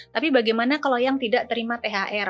tapi bagaimana kalau yang tidak terima thr